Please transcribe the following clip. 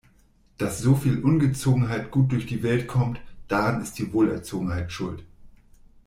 Dass soviel Ungezogenheit gut durch die Welt kommt, daran ist die Wohlerzogenheit schuld.